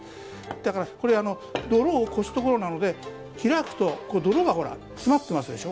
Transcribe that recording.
だからこれ泥をこすところなので開くと泥がほら詰まってますでしょ？